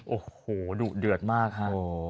โอ้โหดุเดือดมากฮะ